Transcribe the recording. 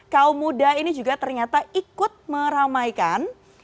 kaum muda ini juga ternyata ikut meramaikan